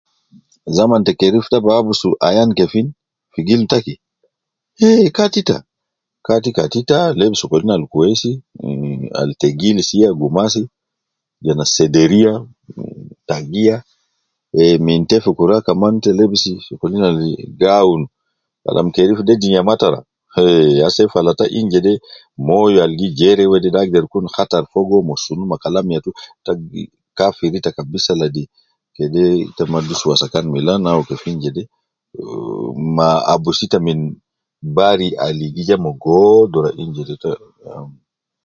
Zaman te kerif ta bi abus kefin, fi gildu taki, eh Kati ita, kati Kati ita, lebis sokolin al kwesi mh,al tegil sia gumasi ,je nas sederiya, tagiya eh min te fi kura kaman te lebis sokolin al gi awun, Kalam kerif de dinia matara ,eh ase falata in jede moyo al gi jere wedede agder kutu kattar fogo me sunu ma Kalam yatu ,ta gi kafir ita zaidi kabisa ladi kede ta mi gi dus wasakan milan au kefin jede, ma abus ita min bari al gi ja ma godura in jede